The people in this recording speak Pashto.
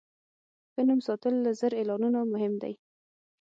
ښه نوم ساتل له زر اعلانونو مهم دی.